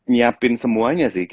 nyiapin semuanya sih